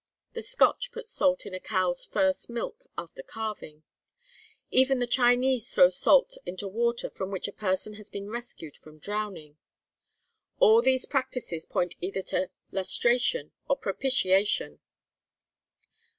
The Scotch put salt in a cow's first milk after calving. Even the Chinese throw salt into water from which a person has been rescued from drowning. All these practices point either to lustration or propitiation.